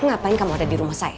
ngapain kamu ada di rumah saya